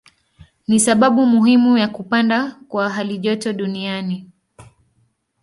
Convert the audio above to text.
Ni sababu muhimu ya kupanda kwa halijoto duniani.